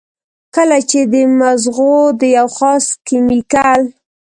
کله چې د مزغو د يو خاص کېميکل